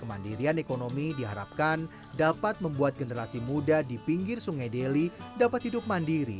kemandirian ekonomi diharapkan dapat membuat generasi muda di pinggir sungai deli dapat hidup mandiri